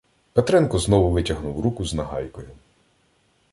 Петренко знову витягнув руку з нагайкою.